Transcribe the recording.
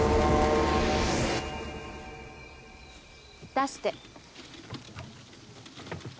出して。